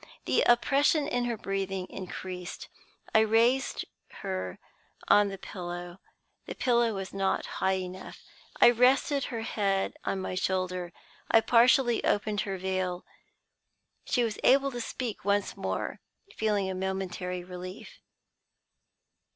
The oppression in her breathing increased. I raised her on the pillow. The pillow was not high enough. I rested her head on my shoulder, and partially opened her veil. She was able to speak once more, feeling a momentary relief.